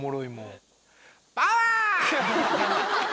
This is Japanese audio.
パワー！